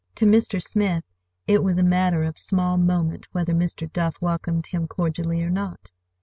To Mr. Smith it was a matter of small moment whether Mr. Duff welcomed him cordially or not.